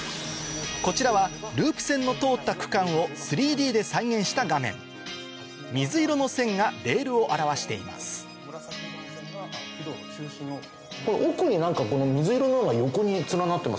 こちらはループ線の通った区間を３Ｄで再現した画面奥に何か水色のような横に連なってますね。